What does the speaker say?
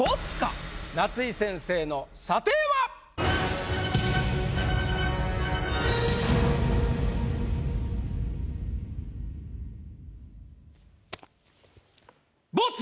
夏井先生の査定は⁉ボツ！